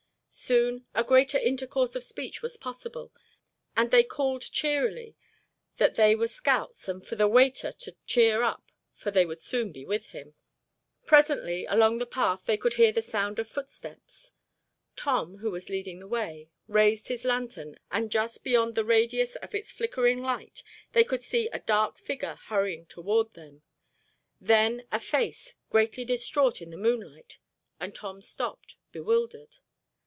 Soon a greater intercourse of speech was possible and they called cheerily that they were scouts and for the waiter to cheer up for they would soon be with him. Presently, along the path they could hear the sound of footsteps. Tom, who was leading the way, raised his lantern and just beyond the radius of its flickering light they could see a dark figure hurrying toward them; then a face, greatly distraught in the moonlight, and Tom stopped, bewildered.